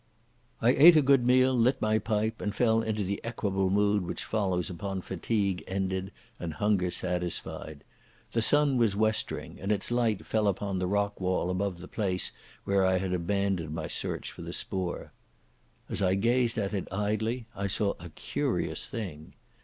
I ate a good meal, lit my pipe, and fell into the equable mood which follows upon fatigue ended and hunger satisfied. The sun was westering, and its light fell upon the rock wall above the place where I had abandoned my search for the spoor. As I gazed at it idly I saw a curious thing.